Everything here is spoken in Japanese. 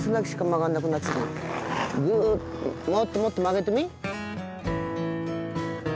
ぐっもっともっと曲げてみ。